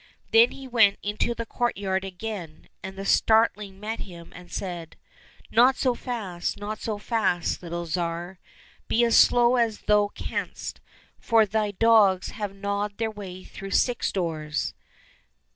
Then he went into the courtyard again, and the starling met him and said, " Not so fast, not so fast, little Tsar ; be as slow as thou canst, for thy dogs have gnawed their way through six doors."